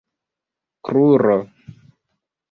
kruro